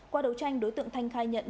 qua đầu tranh đối tượng thanh khai nhận